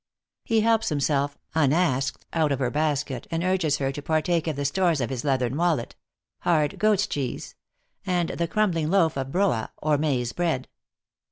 He helps himself, unasked, out of her basket, and urges her to partake of the stores of his leathern wallet hard goat s cheese and the crumbling loaf of broa, or maize bread.